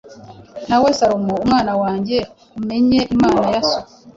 Nawe Salomo mwana wanjye, umenye Imana ya So,